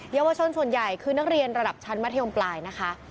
เยาวชนส่วนใหญ่คือนักเรียนระดับชั้นมัธยมปลายนะคะ